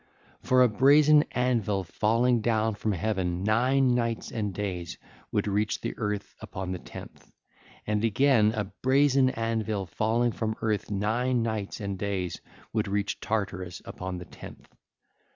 For a brazen anvil falling down from heaven nine nights and days would reach the earth upon the tenth: and again, a brazen anvil falling from earth nine nights and days would reach Tartarus upon the tenth.